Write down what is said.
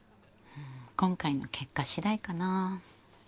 今回の結果しだいかな。